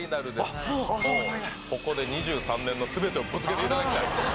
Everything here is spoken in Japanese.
ここで２３年の全てをぶつけていただきたい